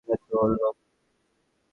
এরাই তো ওর লোক।